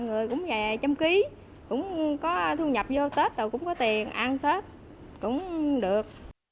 người cũng về trăm ký cũng có thu nhập vô tết rồi cũng có tiền ăn tết cũng được